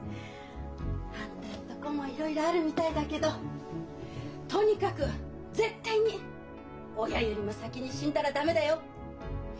あんたんとこもいろいろあるみたいだけどとにかく絶対に親よりも先に死んだら駄目だよ！